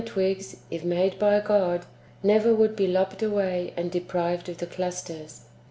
twigs, if made by God, never would be lopped away and deprived of the clusters.